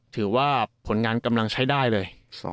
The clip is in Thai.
ถือว่าผลงานกำลังใช้ได้เลย